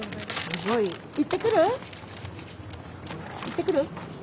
行ってくる？